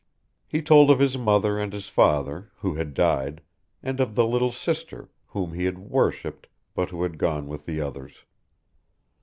He told of his mother and his father, who had died, and of the little sister, whom he had worshiped, but who had gone with the others.